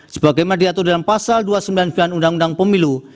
sebagaimana diatur dalam pasal dua ratus sembilan puluh sembilan undang undang pemilu